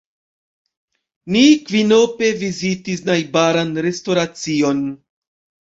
Ni kvinope vizitis najbaran restoracion.